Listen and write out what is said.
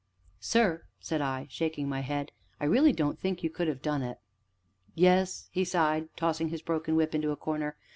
"Sir," said I, shaking my head, "I really don't think you could have done it." "Yes," he sighed, tossing his broken whip into a corner.